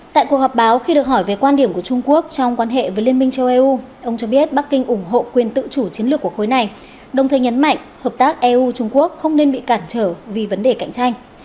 tại cuộc họp báo khi được hỏi về quan điểm của trung quốc trong quan hệ với liên minh châu âu ông cho biết bắc kinh ủng hộ quyền tự chủ chiến lược của khối này đồng thời nhấn mạnh hợp tác eu trung quốc không nên bị cản trở vì vấn đề cạnh tranh